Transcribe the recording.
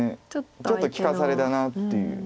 ちょっと利かされだなっていう。